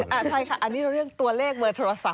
ใช่ค่ะอันนี้เราเรื่องตัวเลขเบอร์โทรศัพ